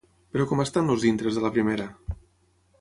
Però com estan els dintres de la primera?